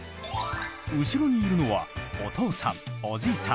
後ろにいるのはお父さんおじいさん